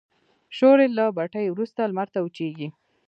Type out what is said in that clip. شولې له بټۍ وروسته لمر ته وچیږي.